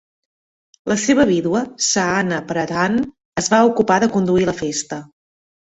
La seva vídua, Sahana Pradhan, es va ocupar de conduir la festa.